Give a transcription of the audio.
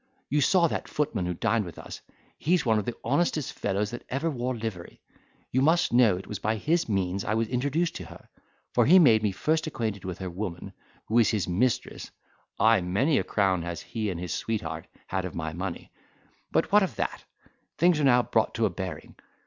You saw that footman who dined with us—he's one of the honestest fellows that ever wore livery. You must know it was by his means I was introduced to her, for he made me first acquainted with her woman, who is his mistress—ay, many a crown has he and his sweetheart had of my money—but what of that? things are now brought to a bearing.